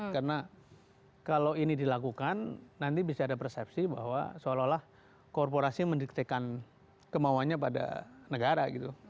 karena kalau ini dilakukan nanti bisa ada persepsi bahwa seolah olah korporasi mendiktirkan kemauannya pada negara gitu